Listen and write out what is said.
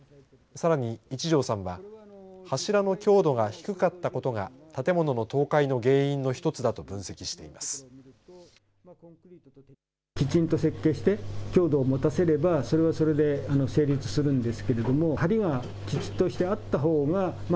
さらに一條さんは柱の強度が低かったことが建物の倒壊の原因の１つだと分析しています。